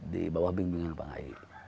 di bawah bimbingan pak ngayu